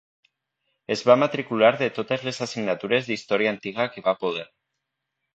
Es va matricular de totes les assignatures d’història antiga que va poder.